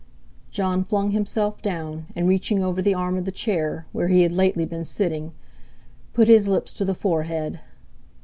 Jon flung himself down, and reaching over the arm of the chair, where he had lately been sitting, put his lips to the forehead.